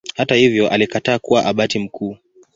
Hata hivyo alikataa kuwa Abati mkuu.